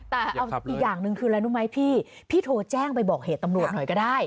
แต่เอาอีกอย่างหนึ่งคืออะไรรู้ไหมพี่พี่โทรแจ้งไปบอกเหตุตำรวจหน่อยก็ได้